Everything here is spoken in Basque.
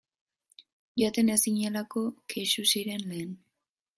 Joaten ez ginelako kexu ziren lehen.